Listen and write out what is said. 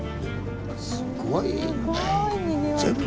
すごいね。